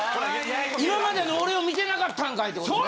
今までの俺を見てなかったんかい！ってことね。